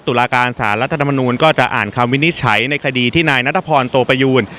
ตุลาการสารรัฐธรรมนูลก็จะอ่านคำวินิจฉัยในคดีที่นายนัทพรโตประยูน